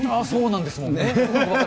そうなんですもんね。